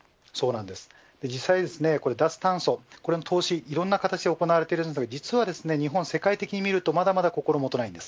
実際、脱炭素、コロナ、投資いろんな形で行われているので実は日本は世界的にみるとまだまだ心もとないです。